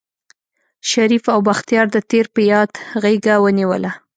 شريف او بختيار د تېر په ياد غېږه ونيوله.